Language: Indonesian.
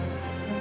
ya pak adrian